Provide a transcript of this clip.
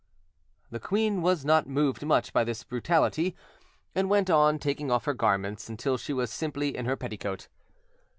The queen was not moved much by this brutality, and went on taking off her garments until she was simply in her petticoat.